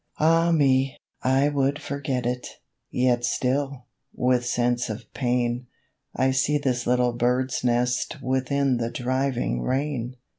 Ah me! I would forget it, Yet still, with sense of pain, I see this little bird's nest Within the driving rain.